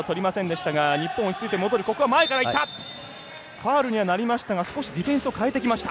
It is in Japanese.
ファウルになりましたがディフェンス変えてきました。